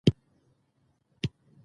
هېچا ته هم په سپک نظر مه ګورئ!